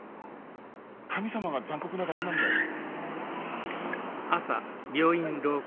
神様が残酷なだけなんだよ。